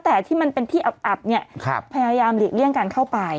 แต่ที่มันเป็นที่อับเนี่ยพยายามหลีกเลี่ยงการเข้าไป